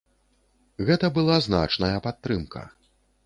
Гэта была значная падтрымка.